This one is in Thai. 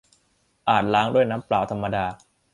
อาจล้างด้วยน้ำเปล่าธรรมดา